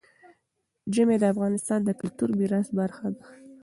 ژمی د افغانستان د کلتوري میراث برخه ده.